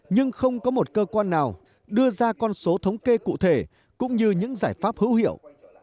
nhưng không có một cơ quan nào đưa ra con số thống kê cụ thể cũng như những giải pháp hữu hiệu